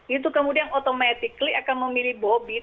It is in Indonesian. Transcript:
itu kemudian automatically akan memilih bobi